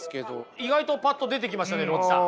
意外とパッと出てきましたねロッチさん。